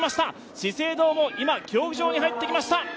資生堂も今、競技場に入ってきました。